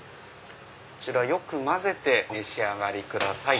こちらよく混ぜてお召し上がりください。